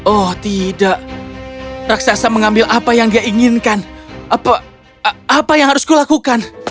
oh tidak raksasa mengambil apa yang dia inginkan apa yang harus kulakukan